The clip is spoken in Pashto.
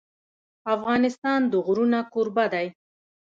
افغانستان د غرونه کوربه دی.